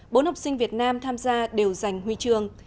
bốn học sinh việt nam tham gia đều giành huy chương